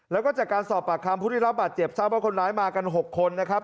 แล้วก็จากการสอบปากคำผู้ได้รับบาดเจ็บทราบว่าคนร้ายมากัน๖คนนะครับ